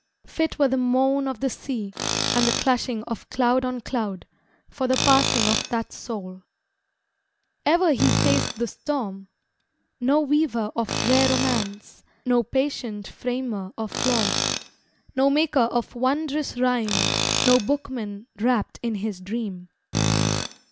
Fit were the moan of the sea And the clashing of cloud on cloud For the passing of that soul! Ever he faced the storm! No weaver of rare romance, No patient framer of laws, No maker of wondrous rhyme, No bookman wrapt in his dream.